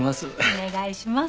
お願いします。